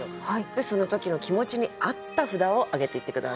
その時の気持ちに合った札を挙げていって下さい。